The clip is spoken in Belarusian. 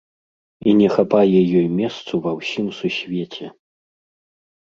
І не хапае ёй месцу ва ўсім Сусвеце.